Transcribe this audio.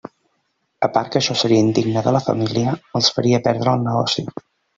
A part que això seria indigne de la família, els faria perdre el negoci!